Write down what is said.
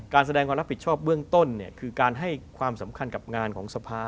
แสดงความรับผิดชอบเบื้องต้นคือการให้ความสำคัญกับงานของสภา